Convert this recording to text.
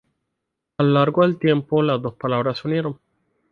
A lo largo del tiempo las dos palabras se unieron.